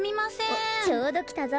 おっちょうどきたぞ。